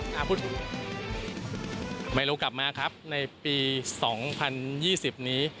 ค่ะอ่าพูดถูกไมโลกลับมาครับในปีสองพันยี่สิบนี้